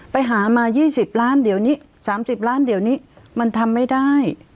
ไปหามายี่สิบล้านเดี๋ยวนี้สามสิบล้านเดี๋ยวนี้มันทำไม่ได้